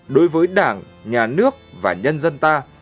đối với đảng nhà nước và nhân dân ta